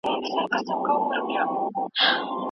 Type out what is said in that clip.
انلاين زده کړه ستونزې حلوي.